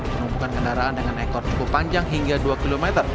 penumpukan kendaraan dengan ekor cukup panjang hingga dua km